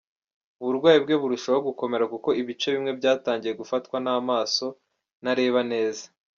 Uburwayi bwe burushaho gukomera kuko ibice bimwe byatangiye gufatwa n’amaso ntareba neza.